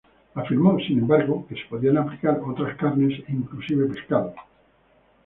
Afirmó, sin embargo, que se podían aplicar otras carnes e inclusive pescados.